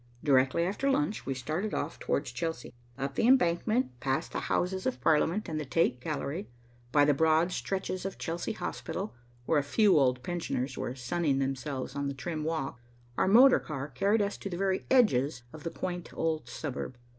Directly after lunch we started off towards Chelsea. Up the embankment, past the Houses of Parliament and the Tate Gallery, by the broad stretches of Chelsea Hospital where a few old pensioners were sunning themselves on the trim walks, our motor car carried us to the very edges of the quaint old suburb.